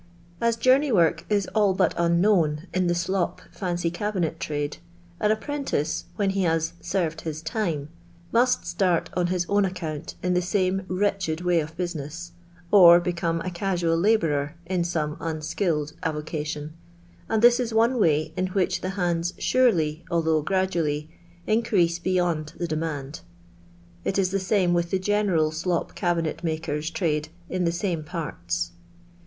As journey work is all but unknown in the slop fancy cabinet tmde, an apprentice, when he has " served his time," must start on his own account in the 8<ime wretched way of business, or become a casual labourer in some unskilled avocation, and this is one way in which the hands surely, although f;radually, in crease bevond tbe demand. It is the same with the general slop cabinetmaker's trade in the same parts.